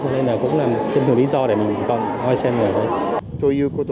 nên là cũng là một tên thường lý do để mình gọi xem người ở đây